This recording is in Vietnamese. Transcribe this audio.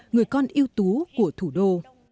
người con yêu tú của thủ đô